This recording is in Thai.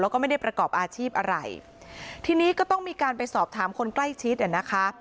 แล้วก็ไม่ได้ประกอบอาชีพอะไรทีนี้ก็ต้องมีการไปสอบถามคนใกล้ชิดอ่ะนะคะ